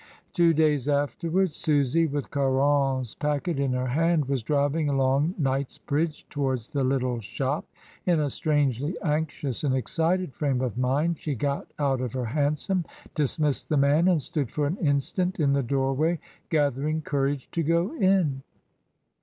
Two days afterwards Susy, with Caron's packet in her hand, was driving along Knightsbridge to wards the little shop; in a strangely anxious and excited frame of mind she got out of her hansom, dismissed the man, and stood for an instant in the doorway gathering courage to go in.